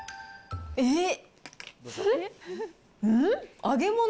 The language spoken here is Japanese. えっ！